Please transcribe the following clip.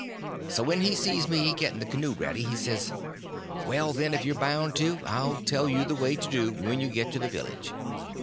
So when he sees me getting the canoe ready, he says: "Well, then, if you're bound to go, I'll tell you the way to do when you get to the village.